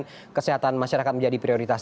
kemudian kesehatan masyarakat menjadi prioritas